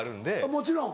もちろん！